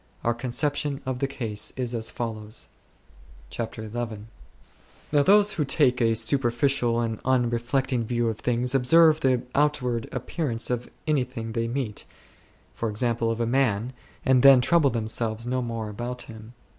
Our conception of the case is as follows. / CHAPTER XL Now those who take a superficial and unre flecting view of things observe the outward appearance of anything they meet, e.g. of a man, and then trouble themselves no more about him.